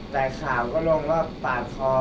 แต่ข่าวก็ลงว่าปาดคอ